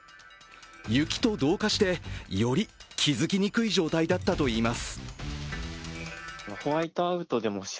雪と同化してより気付きにくい状態だったといいます。